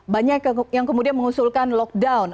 banyak yang mengusulkan lockdown